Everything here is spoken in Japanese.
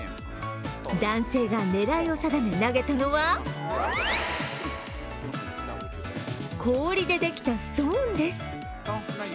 男性が狙いを定め投げたのは氷でできたストーンです。